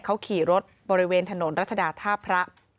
เขาขี่รถบริเวณถนนรัชดาท่าพระ